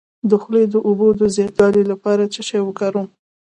د خولې د اوبو د زیاتوالي لپاره څه شی وکاروم؟